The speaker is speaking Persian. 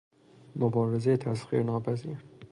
مبارزهٔ تسخیر ناپذیر